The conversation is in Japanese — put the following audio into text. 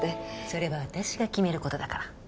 それは私が決めることだから。